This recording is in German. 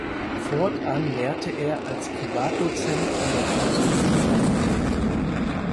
Fortan lehrte er als Privatdozent an der Philosophischen Fakultät.